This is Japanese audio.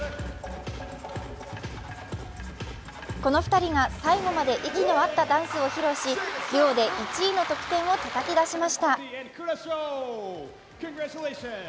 この２人が最後まで息の合ったダンスを披露しデュオで１位の得点をたたき出しました。